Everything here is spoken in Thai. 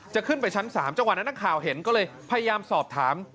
ขึ้นไปชั้น๓จังหวะนั้นนักข่าวเห็นก็เลยพยายามสอบถาม